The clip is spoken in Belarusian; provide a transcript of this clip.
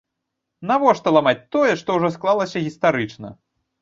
Навошта ламаць тое, што ўжо склалася гістарычна?